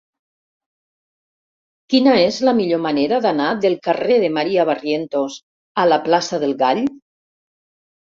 Quina és la millor manera d'anar del carrer de Maria Barrientos a la plaça del Gall?